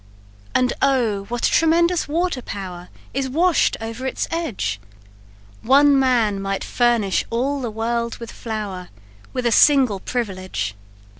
"And oh, what a tremendous water power Is wash'd over its edge; One man might furnish all the world with flour, With a single privilege.